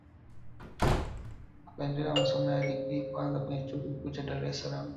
Akaendelea na masomo ya digrii ya kwanza kwenye Chuo Kikuu cha Dar es Salaam